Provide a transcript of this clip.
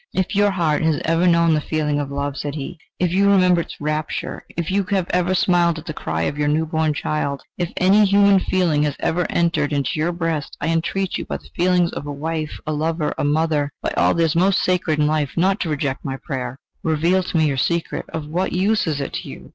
"If your heart has ever known the feeling of love," said he, "if you remember its rapture, if you have ever smiled at the cry of your new born child, if any human feeling has ever entered into your breast, I entreat you by the feelings of a wife, a lover, a mother, by all that is most sacred in life, not to reject my prayer. Reveal to me your secret. Of what use is it to you?...